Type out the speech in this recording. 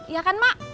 iya kan mak